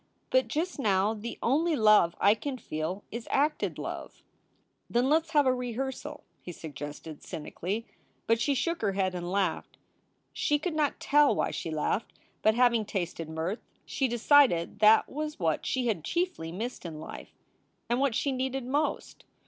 But just now the only love I can feel is acted love." SOULS FOR SALE 315 "Then let s have a rehearsal," he suggested, cynically. But she shook her head and laughed. She could not tell why she laughed, but, having tasted mirth, she decided that that was what she had chiefly missed in life and what she needed most.